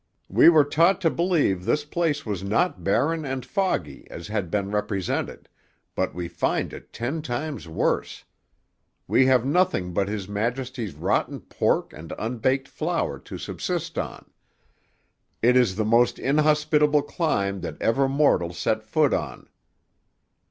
We were taught to believe this place was not barren and foggy as had been represented, but we find it ten times worse. We have nothing but his Majesty's rotten pork and unbaked flour to subsist on... It is the most inhospitable clime that ever mortal set foot on.'